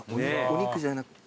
お肉じゃなくて。